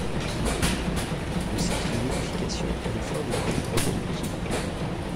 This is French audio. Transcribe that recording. Le site de nidification est le flanc d’une colline rocailleuse.